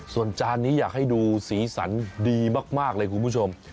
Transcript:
ส่วนจานนี้อยากให้ดูสีสันดีมากเลยคุณผู้ชม